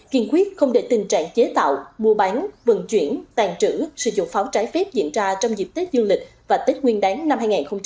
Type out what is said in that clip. kiên quyết không để tình trạng chế tạo mua bán vận chuyển tàn trữ sử dụng pháo trái phép diễn ra trong dịp tết du lịch và tết nguyên đáng năm hai nghìn hai mươi bốn